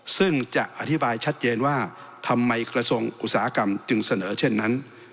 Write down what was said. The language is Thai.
ซึ่งจะอธิบายชัดเจนว่าทำไมกระทรวงอุตสาหกรรมจึงเสนอเช่นนั้น